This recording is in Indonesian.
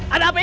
ada apa ini